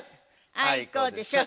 あいこでしょ！